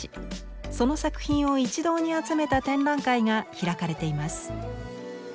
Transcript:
その作品を一堂に集めた展覧会が開かれています。